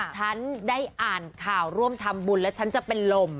ฉันได้อ่านข่าวร่วมทำบุญแล้วฉันจะเป็นลม